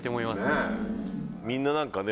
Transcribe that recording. みんな何かね